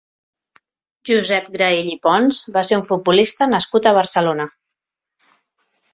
Josep Graell i Pons va ser un futbolista nascut a Barcelona.